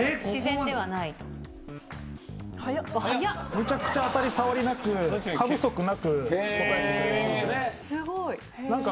めちゃくちゃ当たり障りなく過不足なく答えてくれるんです。